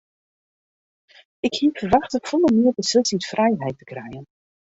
Ik hie ferwachte folle mear beslissingsfrijheid te krijen.